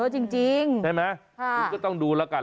จริงใช่ไหมคุณก็ต้องดูแล้วกัน